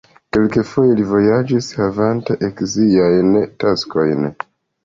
Kelkfoje li vojaĝis havanta ekleziajn taskojn.